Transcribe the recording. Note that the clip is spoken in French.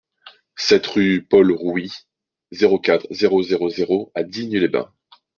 sept rue Paul Rouit, zéro quatre, zéro zéro zéro à Digne-les-Bains